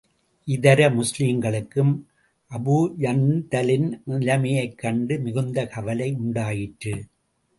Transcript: இதர முஸ்லிம்களுக்கும், அபூஜந்தலின் நிலைமையைக் கண்டு மிகுந்த கவலை உண்டாயிற்று.